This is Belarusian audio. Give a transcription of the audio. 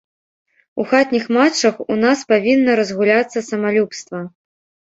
У хатніх матчах ў нас павінна разгуляцца самалюбства.